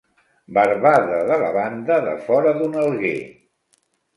Barbada de la banda de fora d'un alguer.